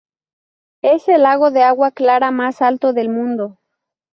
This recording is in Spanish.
Es el lago de agua clara más alto del mundo.